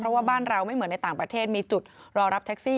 เพราะว่าบ้านเราไม่เหมือนในต่างประเทศมีจุดรอรับแท็กซี่